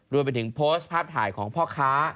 รวมไปถึงโพสต์ภาพถ่ายของพ่อค้า